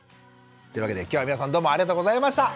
というわけで今日は皆さんどうもありがとうございました。